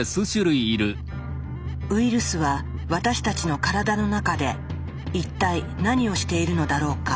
ウイルスは私たちの体の中で一体何をしているのだろうか。